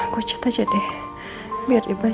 gue cat aja deh biar dibaca